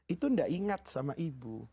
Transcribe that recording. itu tidak ingat sama ibu